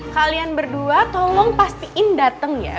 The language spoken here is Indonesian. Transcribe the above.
kalian berdua tolong pastiin datang ya